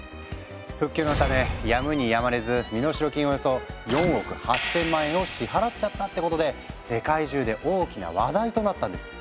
復旧のためやむにやまれず身代金およそ４億８０００万円を支払っちゃったってことで世界中で大きな話題となったんです。